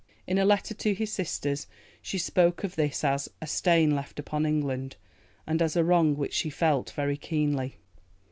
In a letter to his sisters she spoke of this as "a stain left upon England," and as a wrong which she felt very keenly.